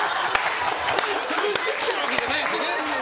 潰してるわけじゃないですよね。